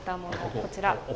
こちら。